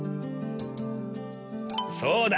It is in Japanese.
そうだ。